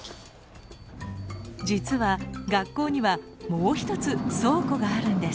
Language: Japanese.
実は学校にはもう１つ倉庫があるんです！